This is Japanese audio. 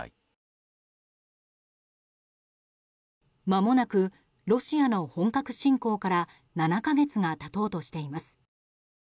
まもなくロシアの本格侵攻から７か月が経とうとしています。